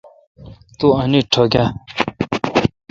تو انیت ٹھوکہ۔